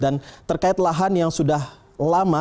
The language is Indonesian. dan terkait lahan yang sudah lama